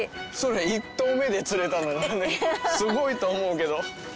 １投目で釣れたのはねすごいと思うけど。